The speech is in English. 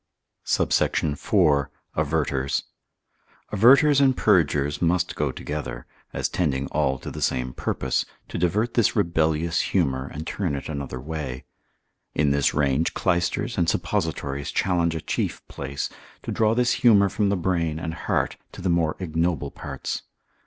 SUBSECT. IV.—Averters. Averters and purgers must go together, as tending all to the same purpose, to divert this rebellious humour, and turn it another way. In this range, clysters and suppositories challenge a chief place, to draw this humour from the brain and heart, to the more ignoble parts.